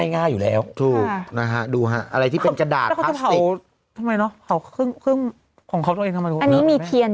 หน้าหน้าหน้านี่เขาจะเกือบวางเทียน